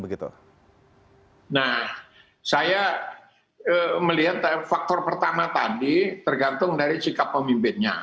nah saya melihat faktor pertama tadi tergantung dari sikap pemimpinnya